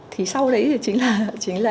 thì sau đấy thì chính là